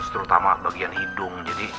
terutama bagian hidung jadi